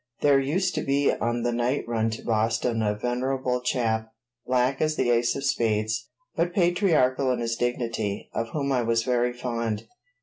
There used to be on the night run to Boston a venerable chap, black as the ace of spades, but patriarchal in his dignity, of whom I was very fond.